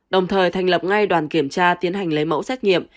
đồng thời thành lập ngay đoàn kiểm tra tiến hành lấy mẫu xét nghiệm